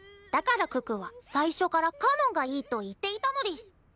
だから可可は最初からかのんがいいと言っていたのデス！